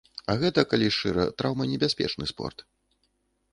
А гэта, калі шчыра, траўманебяспечны спорт.